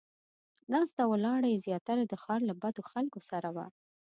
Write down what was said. ناسته ولاړه یې زیاتره د ښار له بدو خلکو سره وه.